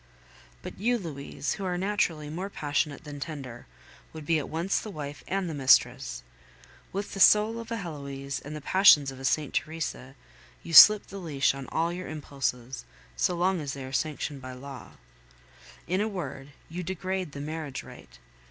But you, Louise, who are naturally more passionate than tender, would be at once the wife and the mistress. With the soul of a Heloise and the passions of a Saint Theresa, you slip the leash on all your impulses, so long as they are sanctioned by law; in a word, you degrade the marriage rite.